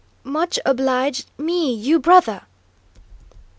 "Much obliged me, you, brother!"